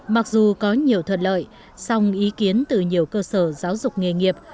mặc dù có nhiều thuận lợi song ý kiến từ nhiều cơ sở giáo dục nghề nghiệp